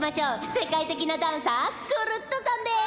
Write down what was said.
せかいてきなダンサークルットさんです！